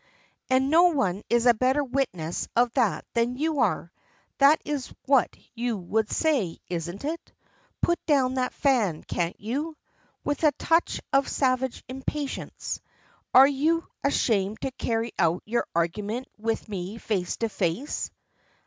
"And no one is a better witness of that than you are! That is what you would say, isn't it? Put down that fan, can't you?" with a touch of savage impatience. "Are you ashamed to carry out your argument with me face to face?"